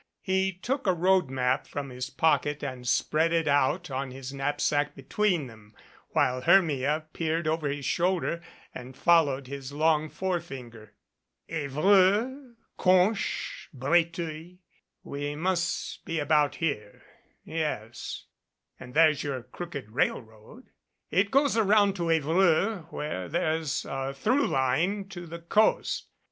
He took a road map from his pocket and spread it out on his knapsack between them, while Hermia peered over his shoulder and followed his long forefinger. "Evreux, Conches, Breteuil we must be about here yes and there's your crooked railroad. It goes around to Evreux, where there's a through line to the coast.